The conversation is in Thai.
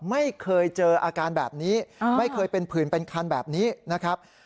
ไม่เคยเจออาการแบบนี้ไม่เคยเป็นผื่นเป็นคันแบบนี้นะครับ